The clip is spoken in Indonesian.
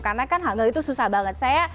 karena kan hangul itu susah banget